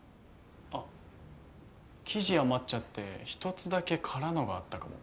あ生地余っちゃって１つだけ空のがあったかも。